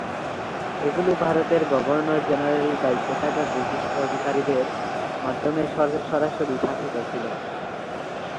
এগুলো ভারতের গভর্নর-জেনারেলের দায়িত্বে থাকা ব্রিটিশ আধিকারিকদের মাধ্যমে সরাসরি শাসিত ছিল।